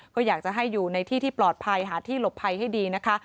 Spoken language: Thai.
ก็อยากจะให้อยู่ในที่ที่ปลอดภัยหาที่หลบภัยให้ดีนะคะ